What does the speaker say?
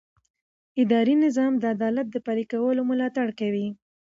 اداري نظام د عدالت د پلي کولو ملاتړ کوي.